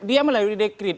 dia melalui dekret